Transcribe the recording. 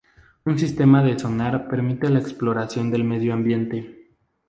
Un sistema de sonar permite la exploración del medio ambiente.